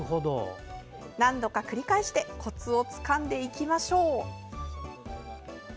何度か繰り返してコツをつかんでいきましょう。